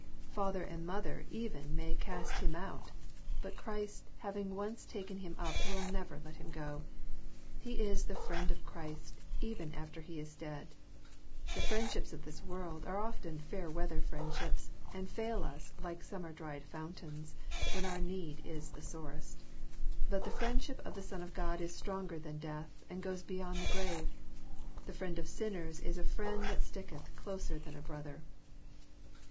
Father and mother even may cast him out, but Christ having once taken him up will never let him go. He is the '* friend of Christ'' even after he is dead I (The friendships of this world are often fnir weather friendships, ancT fail us like summer dried fountains, when our need is the sorest ;") but the friendship of the Son of God is stronger than death, and goes beyond the grave. The Friend of sinners is a Friend that stickelh closer than a brother.